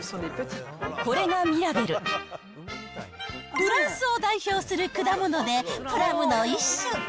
フランスを代表する果物で、プラムの一種。